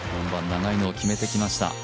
長いのを決めてきました。